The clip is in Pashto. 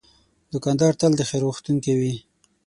دوکاندار تل د خیر غوښتونکی وي.